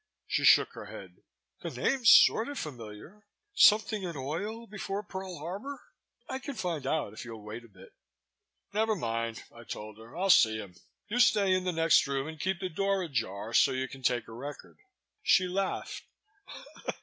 She shook her head. "The name's sorta familiar. Something in oil before Pearl Harbor. I can find out if you'll wait a bit." "Never mind," I told her. "I'll see him. You stay in the next room and keep the door ajar so you can take a record." She laughed.